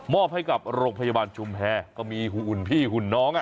อบให้กับโรงพยาบาลชุมแพรก็มีหุ่นพี่หุ่นน้อง